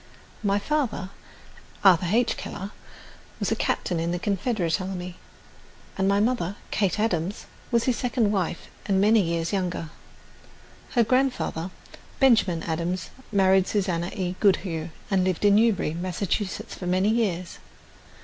My father, Arthur H. Keller, was a captain in the Confederate Army, and my mother, Kate Adams, was his second wife and many years younger. Her grandfather, Benjamin Adams, married Susanna E. Goodhue, and lived in Newbury, Massachusetts, for many years.